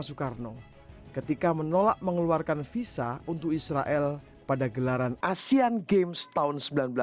soekarno ketika menolak mengeluarkan visa untuk israel pada gelaran asean games tahun seribu sembilan ratus sembilan puluh